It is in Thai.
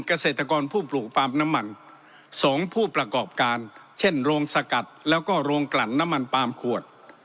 เกษตรกรผู้ปลูกปลามน้ำมัน๒ผู้ประกอบการเช่นโรงสกัดแล้วก็โรงกลั่นน้ำมันปาล์มขวด